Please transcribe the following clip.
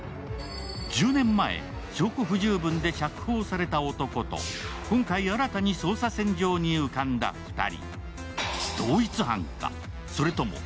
１０年前、証拠不十分で釈放された男と今回新たに捜査線上に浮かんだ２人。